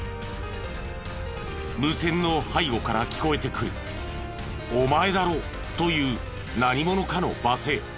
無線の背後から聞こえてくる「お前だろ！」という何者かの罵声。